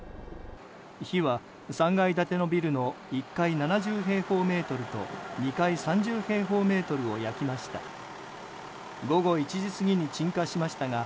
火は３階建てのビルの１階７０平方メートルと２階３０平方メートルを焼きました。